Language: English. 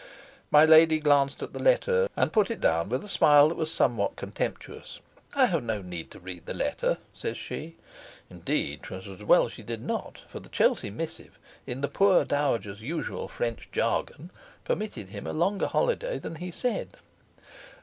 My lady glanced at the letter, and put it down with a smile that was somewhat contemptuous. "I have no need to read the letter," says she (indeed, 'twas as well she did not; for the Chelsey missive, in the poor Dowager's usual French jargon, permitted him a longer holiday than he said.